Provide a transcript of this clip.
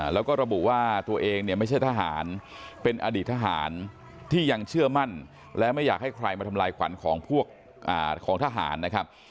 แล้วก็ระบุว่าตัวเองเนี่ยไม่ใช่ทหารเป็นอดีตทหารที่ยังเชื่อมั่นและไม่อยากให้ใครมาทำลายขวัญของพวกของทหารนะครับ